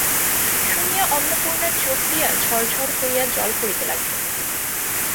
শুনিয়া অন্নপূর্ণার চোখ দিয়া ঝরঝর করিয়া জল পড়িতে লাগিল।